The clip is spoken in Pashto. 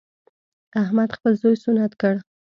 احمد خپل زوی سنت کړ.